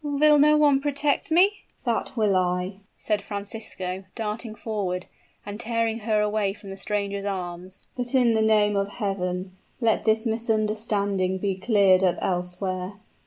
will no one protect me?" "That will I," said Francisco, darting forward, and tearing her away from the stranger's arms. "But, in the name of Heaven! let this misunderstanding be cleared up elsewhere.